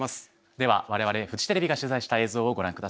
では我々フジテレビが取材した映像をご覧ください。